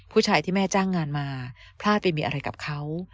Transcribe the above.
ผู้ชายที่แม่จ้างงานมาพลาดไปมีอะไรกับเขา